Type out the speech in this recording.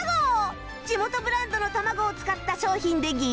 地元ブランドの卵を使った商品でぎっちぎち！